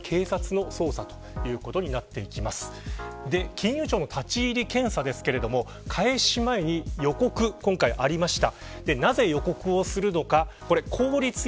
金融庁の立ち入り検査ですが開始前に予告がありました。